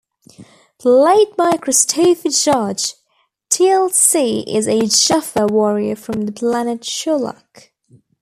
Played by Christopher Judge, Teal'c is a Jaffa warrior from the planet Chulak.